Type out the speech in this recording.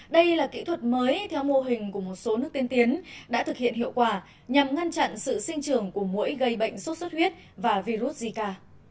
đây là kỹ thuật mới theo mô hình của một số nước tiên tiến đã thực hiện hiệu quả nhằm ngăn chặn sự sinh trưởng của mũi gây bệnh sốt xuất huyết và virus zika